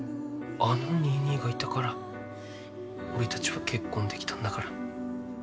あのニーニーがいたから俺たちは結婚できたんだから。